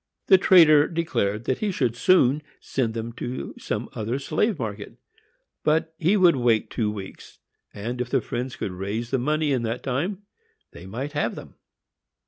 The trader declared he should soon send them to some other slave market, but he would wait two weeks, and, if the friends could raise the money in that time, they might have them.